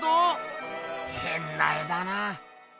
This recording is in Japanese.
へんな絵だなあ。